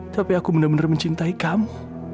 tapi aku bener bener mencintai kamu